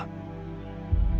gua gak terima